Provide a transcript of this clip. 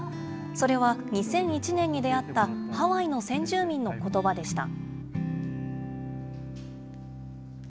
それは、２００１年に出会ったハワイの先住民のことばでした。